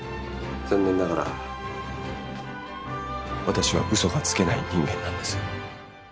残念ながら私はうそがつけない人間なんです。